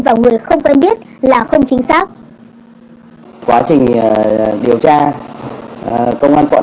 vào người không quen biết là không chính xác